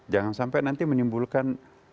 jangan sampai nanti menimbulkan